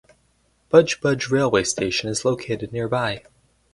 Budge Budge railway station is located nearby.